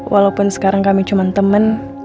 walaupun sekarang kami cuma teman